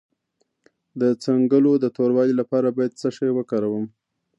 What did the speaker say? د څنګلو د توروالي لپاره باید څه شی وکاروم؟